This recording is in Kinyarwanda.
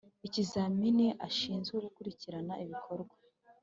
Ikizamini ashinzwe gukurikirana ibikorwa